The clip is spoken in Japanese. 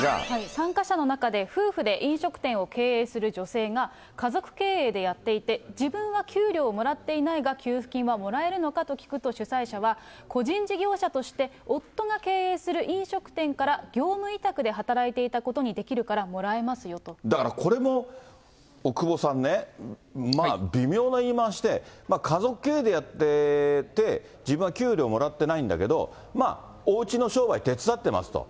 参加者の中で、夫婦で飲食店を経営する女性が、家族経営でやっていて、自分は給料をもらっていないが、給付金はもらえるのかと聞くと、主催者は、個人事業者として夫が経営する飲食店から業務委託で働いていたことにできるから、だから、これも奥窪さんね、微妙な言い回しで、家族経営でやってて、自分は給料をもらってないんだけど、おうちの商売手伝ってますと。